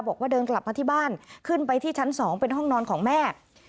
บอกว่าเดินกลับมาที่บ้านขึ้นไปที่ชั้น๒เป็นห้องนอนของแม่